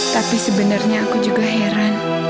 tapi sebenarnya aku juga heran